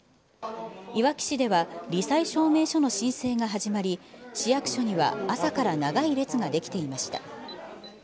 いわき市ではり災証明書の申請が始まり、市役所には朝から長い列が出来ていました。